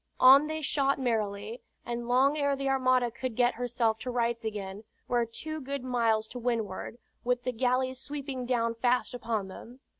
On they shot merrily, and long ere the armada could get herself to rights again, were two good miles to windward, with the galleys sweeping down fast upon them.